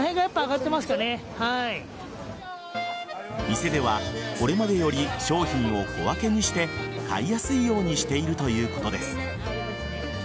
店では、これまでより商品を小分けにして買いやすいようにしているということです。